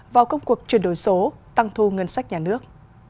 vào công cuộc chuyển đổi số tăng thu ngân sách nhà nước